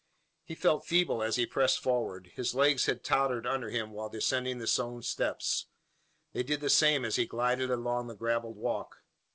He felt feeble as he pressed forward. His legs had tottered under him while descending the stone steps. They did the same as he glided along the gravelled walk.